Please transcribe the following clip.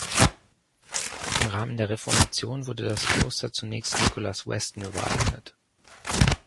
Im Rahmen der Reformation wurde das Kloster zunächst Nicholas Weston übereignet.